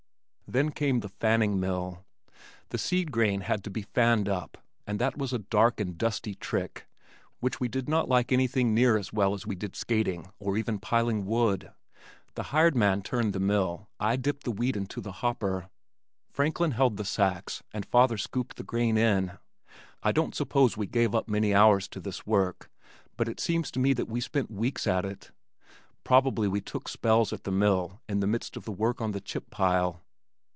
Then came the fanning mill. The seed grain had to be fanned up, and that was a dark and dusty "trick" which we did not like anything near as well as we did skating or even piling wood. The hired man turned the mill, I dipped the wheat into the hopper, Franklin held sacks and father scooped the grain in. I don't suppose we gave up many hours to this work, but it seems to me that we spent weeks at it. Probably we took spells at the mill in the midst of the work on the chip pile.